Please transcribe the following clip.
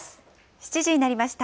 ７時になりました。